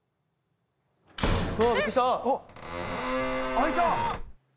開いた！